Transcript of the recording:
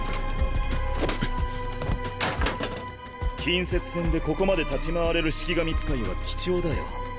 近接戦でここまで立ち回れる式神使いは貴重だよ。